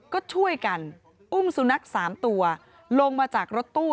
ก็ช่วยกันอุ้มสุนัข๓ตัวลงมาจากรถตู้